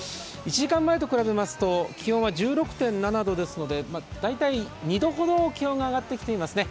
１時間前と比べますと、気温は１６．７度ですので大体２度ほど気温が上がってきていますね。